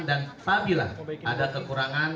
dan apabila ada kekurangan